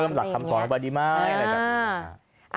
เพิ่มหลักคำสอนก็ดีมาก